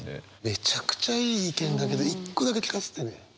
めちゃくちゃいい意見だけど一個だけ聞かせてね。